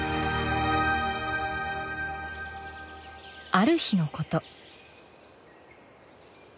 ある日のこと。